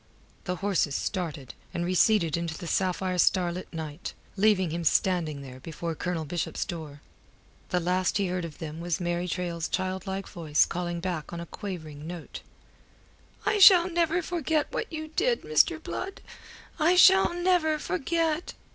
The horses started, and receded into the sapphire starlit night, leaving him standing there before Colonel Bishop's door. The last he heard of them was Mary Traill's childlike voice calling back on a quavering note "I shall never forget what you did, Mr. Blood. I shall never forget."